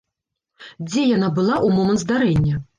Дзе яна была ў момант здарэння?